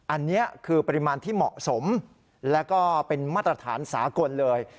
อันนี้คือปริมาณที่เหมาะสมแล้วก็เป็นมาตรฐานสากลเลย